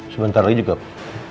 sebentar lagi juga pak